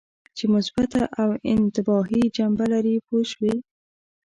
چې مثبته او انتباهي جنبه لري پوه شوې!.